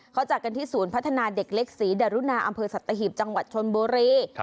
เขาจัดกันที่ศูนย์พัฒนาเด็กเล็กศรีดารุณาอำเภอสัตหีบจังหวัดชนบุรี